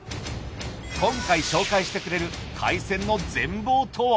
今回紹介してくれる海鮮の全貌とは？